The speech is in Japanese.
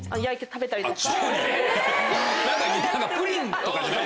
焼いて食べたり。